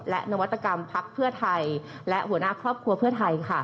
และนวัตกรรมพักเพื่อไทยและหัวหน้าครอบครัวเพื่อไทย